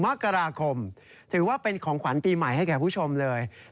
มกราคมถือว่าเป็นของขวัญปีใหม่ให้แก่ผู้ชมเลย